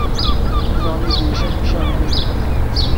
Diranê diêşe nîşanî min bide.